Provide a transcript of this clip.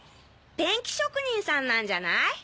ペンキ職人さんなんじゃない？